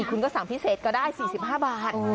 คุณก็สั่งพิเศษก็ได้๔๕บาท